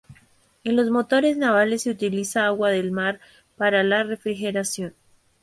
En los motores navales se utiliza agua del mar para la refrigeración.